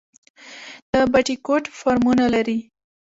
د بټي کوټ فارمونه لري